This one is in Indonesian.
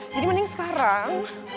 jadi mending sekarang